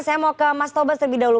saya mau ke mas tobas terlebih dahulu